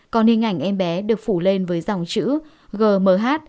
còn hình ảnh em bé được phủ lên với dòng chữ gmh